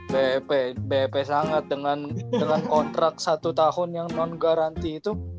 bep bep sangat dengan kontrak satu tahun yang non garanti itu